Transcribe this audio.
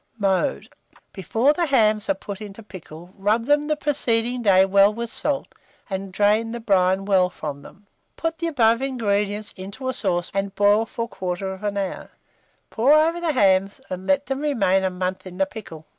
Mode. Before the hams are put into pickle, rub them the preceding day well with salt, and drain the brine well from them. Put the above ingredients into a saucepan, and boil for 1/4 hour; pour over the hams, and let them remain a month in the pickle.